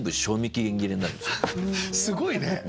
すごいね。